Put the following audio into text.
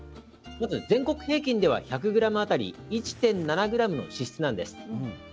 まず全国平均では１００ｇあたり１．７ｇの脂質なんです。